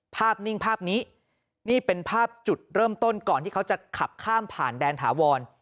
นิ่งภาพนี้นี่เป็นภาพจุดเริ่มต้นก่อนที่เขาจะขับข้ามผ่านแดนถาวร